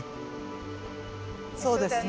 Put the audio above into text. そうですね。